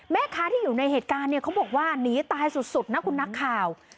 แม่ค้าที่อยู่ในเหตุการณ์เนี่ยเขาบอกว่าหนีตายสุดนะคุณนักข่าว